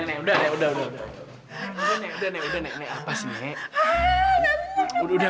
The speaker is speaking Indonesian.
nek neng udah nek udah udah udah